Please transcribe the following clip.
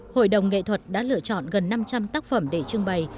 hội đồng nghệ thuật đã lựa chọn gần năm trăm linh tác phẩm để trưng bày